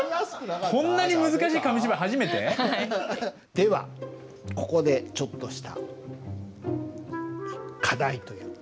ではここでちょっとした課題というか。